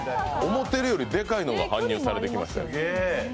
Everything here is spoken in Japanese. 思ってるよりでかいのが搬入されてきますよ。